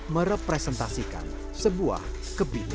merepresentasikan sebuah kebihdekaan